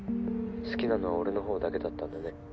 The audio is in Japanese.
好きなのは俺のほうだけだったんだね